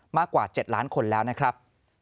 มากกว่า๗ล้านคนแล้วนะครับ